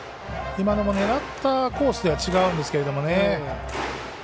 今のも狙ったコースとは違うんですけどね。